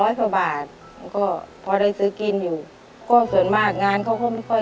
เช้ามาก็ต้องหุงหาทั้งหมดข้าวให้พ่อกับน้องกินกันกันก่อน